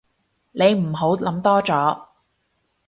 你唔好諗多咗